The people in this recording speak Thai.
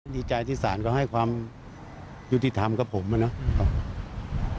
ดีใจที่ศาลก็ให้ความยุติธรรมกับผมอะเนาะ